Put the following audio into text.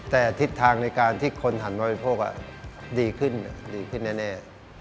แต่ทิศทางในการที่คนหันบริโภคดีขึ้นแน่